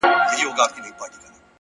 بلا وهلی يم له سترگو نه چي اور غورځي;